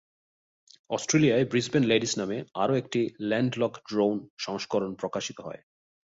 অস্ট্রেলিয়ায় "Brisbane ladies" নামে আরও একটি ল্যান্ডলক ড্রোন সংস্করণ প্রকাশিত হয়।